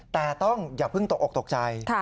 แต่ต้องอย่าเพิ่งตกออกตกใจ